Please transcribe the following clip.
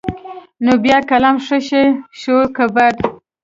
نو بيا قلم ښه شى شو که بد.